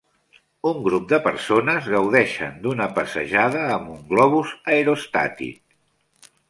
Un grup de persones gaudeixen d'una passejada amb un globus aerostàtic.